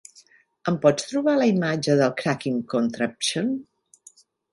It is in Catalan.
Em pots trobar la imatge de Cracking Contraptions?